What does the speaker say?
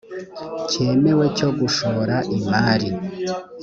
cyemewe cyo gushora imari